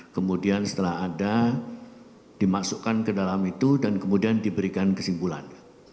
kemudian setelah ada dimasukkan ke dalam itu dan kemudian diberikan kesimpulan